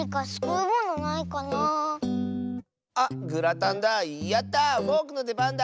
あっグラタンだ！